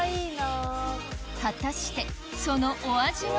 果たしてそのお味は？